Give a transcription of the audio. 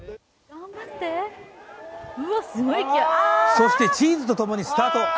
そしてチーズとともにスタート。